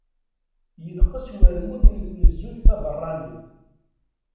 Yenqes wermud n tnezzut tabeṛṛanit.